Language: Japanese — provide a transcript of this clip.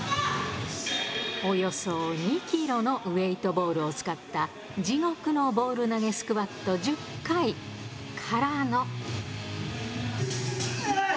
およそ２キロのウエイトボールを使った地獄のボール投げスクワット１０回からの。